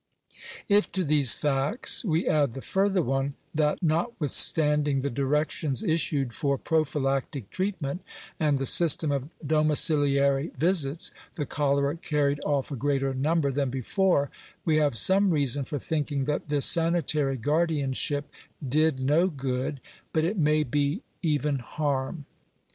If to these facts we add the further one, that, notwithstanding the directions issued for prophylactic treatment, and the system of domiciliary visits, the cholera carried off a greater number than before, we have some reason for thinking that this sanitary guardianship did no good, but, it may be, even harm.